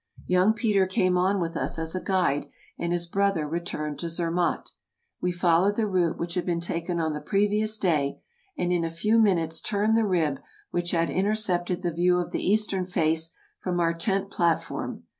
Young Peter came on with us as a guide, and his brother returned to Zermatt. We followed the route which had been taken on the previous day, and in a few minutes turned the rib which had intercepted the view of the eastern face from our tent platform.